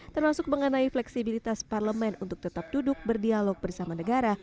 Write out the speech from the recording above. termasuk mengenai fleksibilitas parlemen untuk tetap duduk berdialog bersama negara